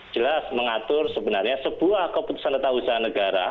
jelas mengatur sebenarnya sebuah keputusan atau usaha negara